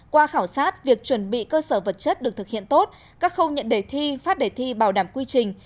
qua khảo sát việc chuẩn bị cơ sở vật chất được thực hiện tốt các khâu nhận đề thi phát đề thi bảo đảm quy trình